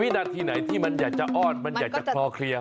นาทีไหนที่มันอยากจะอ้อนมันอยากจะคลอเคลียร์